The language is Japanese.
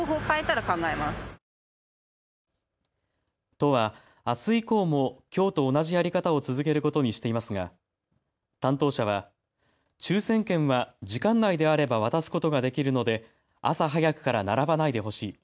都は、あす以降もきょうと同じやり方を続けることにしていますが担当者は抽せん券は時間内であれば渡すことができるので朝早くから並ばないでほしい。